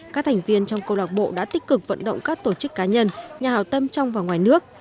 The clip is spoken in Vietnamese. các thành viên trong câu lạc bộ đã tích cực vận động các tổ chức cá nhân nhà hào tâm trong và ngoài nước